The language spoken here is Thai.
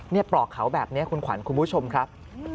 นี่ปลอกเขาแบบนี้คุณขวัญคุณผู้ชมครับ